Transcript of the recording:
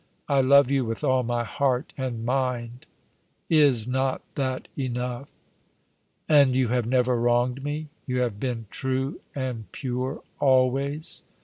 I love you with all my heart and mind. Is not that enough ?"" And you have never wronged me ? You have been truo and pure always?